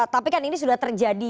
tapi kan ini sudah terjadi